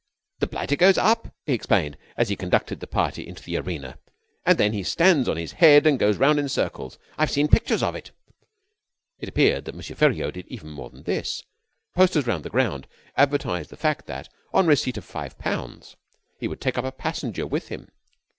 "The blighter goes up," he explained, as he conducted the party into the arena, "and then he stands on his head and goes round in circles. I've seen pictures of it." It appeared that M. Feriaud did even more than this. Posters round the ground advertised the fact that, on receipt of five pounds, he would take up a passenger with him.